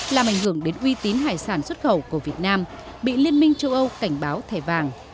làm ảnh hưởng đến uy tín hải sản xuất khẩu của việt nam bị liên minh châu âu cảnh báo thẻ vàng